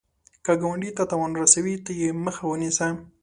که ګاونډي ته تاوان رسوي، ته یې مخه ونیسه